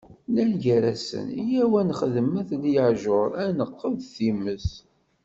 Nnan gar-asen: Yyaw ad nxedmet lyajuṛ, ad t-neqqed di tmes.